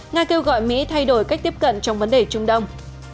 nga kêu gọi mỹ thay đổi cách tiếp cận trong vấn đề trung đông